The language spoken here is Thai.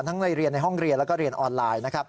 ทั้งในเรียนในห้องเรียนและเรียนออนไลน์